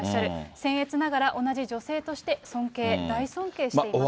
せん越ながら同じ女性として尊敬、大尊敬していますと。